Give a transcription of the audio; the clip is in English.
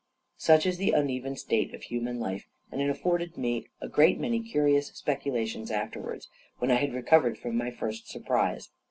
Such is the uneven state of human life; and it afforded me a great many curious speculations afterwards, when I had recovered from my first surprise.